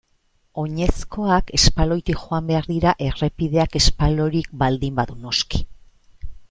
Oinezkoak espaloitik joan behar dira errepideak espaloirik baldin badu noski.